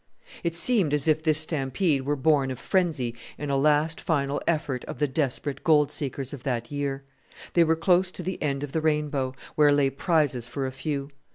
It seemed as if this stampede were born of frenzy in a last final effort of the desperate gold seekers of that year. They were close to the end of the rainbow, where lay prizes for a few.